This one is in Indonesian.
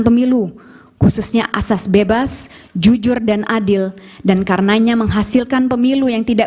pemilu khususnya asas bebas jujur dan adil dan karenanya menghasilkan pemilu yang tidak